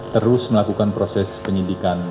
terus melakukan proses penyelidikan